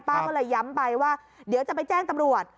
ก็เลยย้ำไปว่าเดี๋ยวจะไปแจ้งตำรวจ